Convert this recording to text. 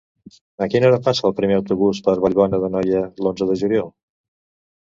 A quina hora passa el primer autobús per Vallbona d'Anoia l'onze de juliol?